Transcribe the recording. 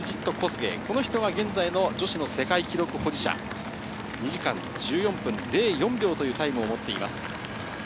そしてブリジット・コスゲイ、この人が現在の女子の世界記録保持者、２時間１４分０４秒というタイムを持っています。